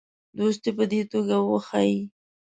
دوستي په دې توګه وښیي.